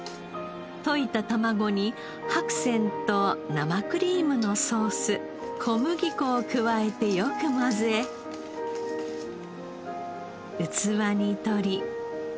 溶いた卵に白仙と生クリームのソース小麦粉を加えてよく混ぜ器にとり。